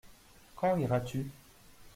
Quand iras-tu ?